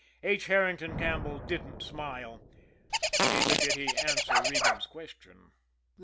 H. Herrington Campbell didn't smile, neither did he answer Regan's question.